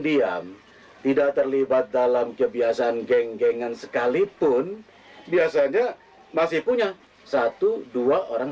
diam tidak terlibat dalam kebiasaan geng gengan sekalipun biasanya masih punya satu dua orang